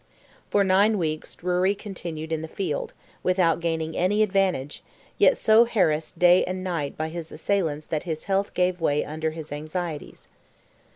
For nine weeks Drury continued in the field, without gaining any advantage, yet so harassed day and night by his assailants that his health gave way under his anxieties.